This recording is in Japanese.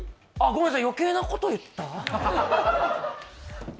ごめんなさい余計なこと言った？